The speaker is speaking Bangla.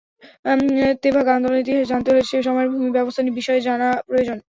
তেভাগা আন্দোলনের ইতিহাস জানতে হলে সে সময়ের ভূমি ব্যবস্থা বিষয়ে জানা প্রয়োজন।